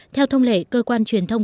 theo thông lệ cơ quan truyền thông